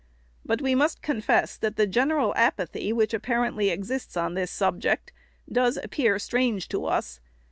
But we must confess, that the general apathy which apparently exists on this subject does appear strange to us.